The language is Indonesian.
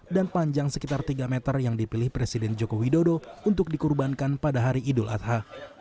dan panjang sekitar tiga meter yang dipilih presiden jokowi dodo untuk dikorbankan pada hari idul adha